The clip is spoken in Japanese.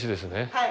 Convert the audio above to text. はい。